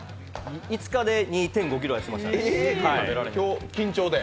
５日で２．５ｋｇ痩せましたね。